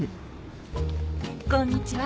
こんにちは。